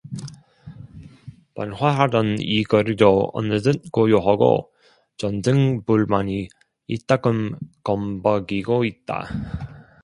번화하던 이 거리도 어느덧 고요하고 전등불만이 이따금 껌벅이고 있다.